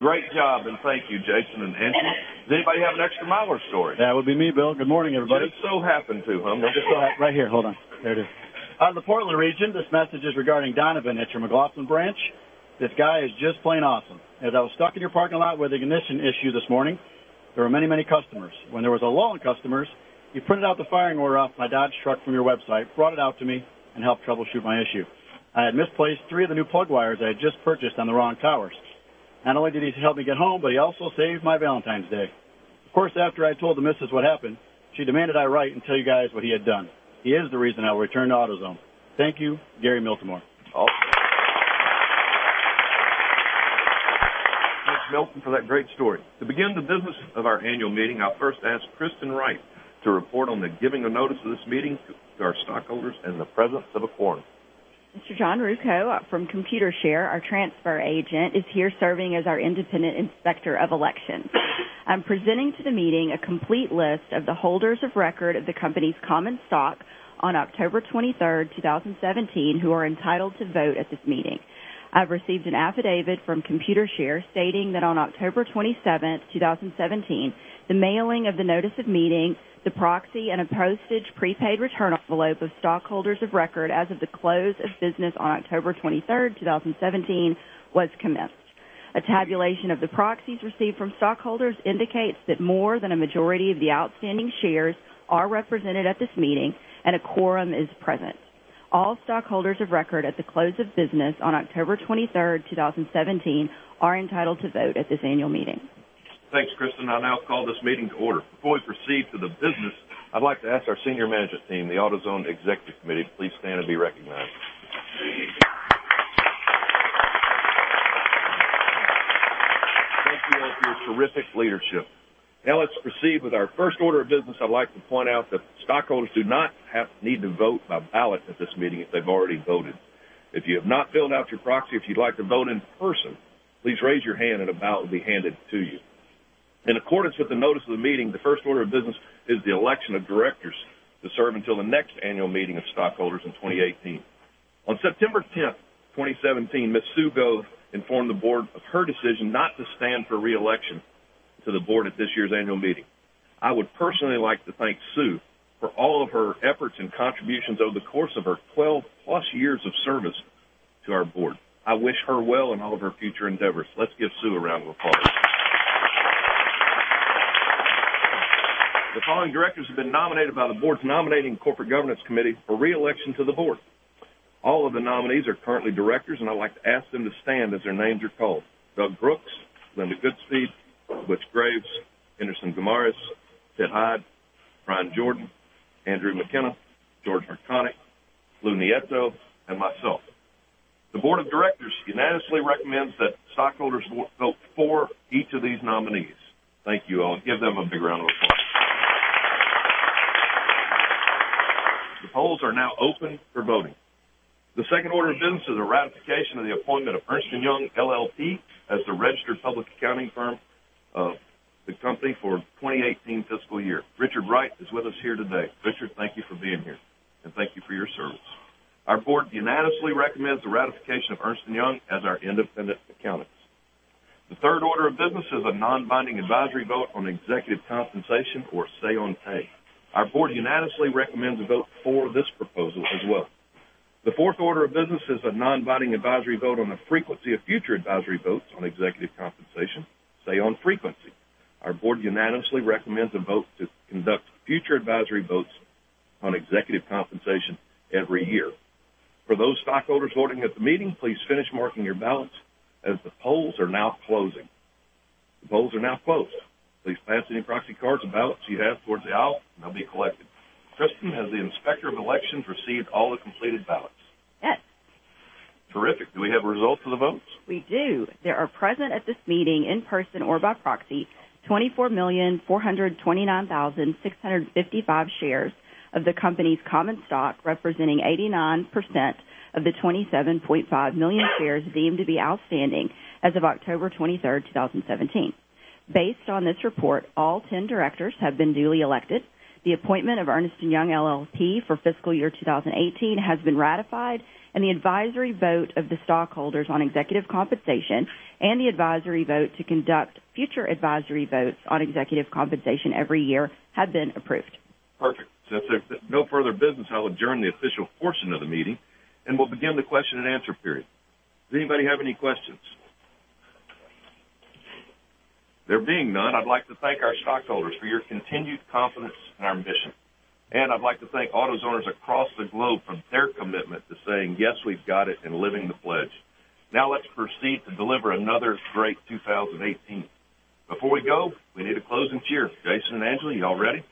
Great job, thank you, Jason and Angela. Does anybody have an Extra Miler story? That would be me, Bill. Good morning, everybody. It just so happened to, huh? Right here. Hold on. There it is. Out of the Portland region, this message is regarding Donovan at your McLoughlin branch. This guy is just plain awesome. As I was stuck in your parking lot with an ignition issue this morning, there were many customers. When there was a lull in customers, he printed out the firing order off my Dodge truck from your website, brought it out to me, and helped troubleshoot my issue. I had misplaced three of the new plug wires I had just purchased on the wrong towers. Not only did he help me get home, but he also saved my Valentine's Day. Of course, after I told the missus what happened, she demanded I write and tell you guys what he had done. He is the reason I returned to AutoZone. Thank you, Gary Miltimore. Awesome. Thanks, Gary, for that great story. To begin the business of our annual meeting, I'll first ask Kristen Wright to report on the giving of notice of this meeting to our stockholders and the presence of a quorum. Mr. John Ruocco from Computershare, our transfer agent, is here serving as our independent inspector of elections. I'm presenting to the meeting a complete list of the holders of record of the company's common stock on October 23, 2017, who are entitled to vote at this meeting. I've received an affidavit from Computershare stating that on October 27, 2017, the mailing of the notice of meeting, the proxy, and a postage prepaid return envelope of stockholders of record as of the close of business on October 23, 2017, was commenced. A tabulation of the proxies received from stockholders indicates that more than a majority of the outstanding shares are represented at this meeting and a quorum is present. All stockholders of record at the close of business on October 23, 2017, are entitled to vote at this annual meeting. Thanks, Kristen. I now call this meeting to order. Before we proceed to the business, I'd like to ask our senior management team, the AutoZone Executive Committee, to please stand and be recognized. Thank you all for your terrific leadership. Let's proceed with our first order of business. I'd like to point out that stockholders do not need to vote by ballot at this meeting if they've already voted. If you have not filled out your proxy, if you'd like to vote in person, please raise your hand and a ballot will be handed to you. In accordance with the notice of the meeting, the first order of business is the election of directors to serve until the next annual meeting of stockholders in 2018. On September 10, 2017, Ms. Sue Gove informed the board of her decision not to stand for re-election to the board at this year's annual meeting. I would personally like to thank Sue for all of her efforts and contributions over the course of her 12-plus years of service to our board. I wish her well in all of her future endeavors. Let's give Sue a round of applause. The following directors have been nominated by the board's Nominating and Corporate Governance Committee for re-election to the board. All of the nominees are currently directors, and I'd like to ask them to stand as their names are called. Doug Brooks, Linda Goodspeed, Butch Graves, Enderson Guimaraes, Sid Hyde, Bryan Jordan, Andrew McKenna, George Mrkonic, Lou Nieto, and myself. The board of directors unanimously recommends that stockholders vote for each of these nominees. Thank you all. Give them a big round of applause. The polls are now open for voting. The second order of business is the ratification of the appointment of Ernst & Young, LLP as the registered public accounting firm of the company for 2018 fiscal year. Richard Wright is with us here today. Richard, thank you for being here, and thank you for your service. Our board unanimously recommends the ratification of Ernst & Young as our independent accountants. The third order of business is a non-binding advisory vote on executive compensation or Say on Pay. Our board unanimously recommends a vote for this proposal as well. The fourth order of business is a non-binding advisory vote on the frequency of future advisory votes on executive compensation, Say on Frequency. Our board unanimously recommends a vote to conduct future advisory votes on executive compensation every year. For those stockholders voting at the meeting, please finish marking your ballots as the polls are now closing. The polls are now closed. Please pass any proxy cards and ballots you have towards the aisle, and they'll be collected. Kristen, has the Inspector of Elections received all the completed ballots? Yes. Terrific. Do we have results of the votes? We do. There are present at this meeting, in person or by proxy, 24,429,655 shares of the company's common stock, representing 89% of the 27.5 million shares deemed to be outstanding as of October 23, 2017. Based on this report, all 10 directors have been duly elected. The appointment of Ernst & Young, LLP for fiscal year 2018 has been ratified, and the advisory vote of the stockholders on executive compensation and the advisory vote to conduct future advisory votes on executive compensation every year have been approved. Perfect. Since there's no further business, I will adjourn the official portion of the meeting, and we'll begin the question and answer period. Does anybody have any questions? There being none, I'd like to thank our stockholders for your continued confidence in our mission, and I'd like to thank AutoZoners across the globe for their commitment to saying, "Yes, we've got it" and living the pledge. Let's proceed to deliver another great 2018. Before we go, we need a closing cheer. Jason and Angela, you all ready?